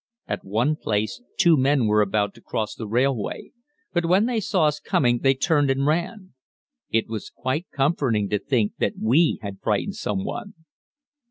At one place two men were about to cross the railway, but when they saw us coming they turned and ran. It was quite comforting to think that we had frightened someone.